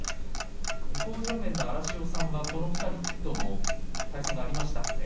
向正面の荒汐さんはこの２人とも対戦がありましたね。